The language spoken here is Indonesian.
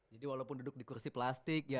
jadi walaupun duduk di kursi plastik ya